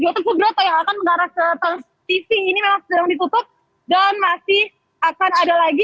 dua teguroto yang akan mengarah ke transtv ini memang sedang ditutup dan masih akan ada lagi